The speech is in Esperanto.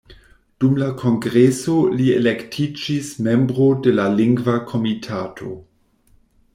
Dum la kongreso li elektiĝis membro de la Lingva Komitato.